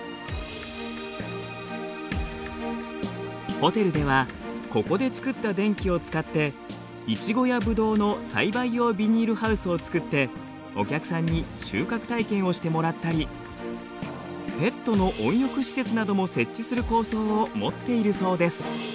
ホテルではここで作った電気を使ってイチゴやブドウの栽培用ビニールハウスを作ってお客さんに収穫体験をしてもらったりペットの温浴施設なども設置する構想を持っているそうです。